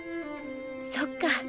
そっか。